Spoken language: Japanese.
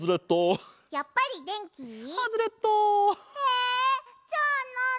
えじゃあなに？